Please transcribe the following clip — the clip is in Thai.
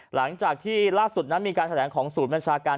หลังจากที่ล่าสุดนั้นมีการแถลงของศูนย์บัญชาการ